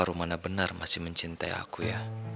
apa rumana benar masih mencintai aku ya